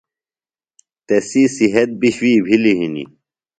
تسی صِحت بیۡ شُوئی بِھلیۡ ہِنیۡ۔